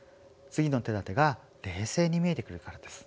次の手だてが冷静に見えてくるからです。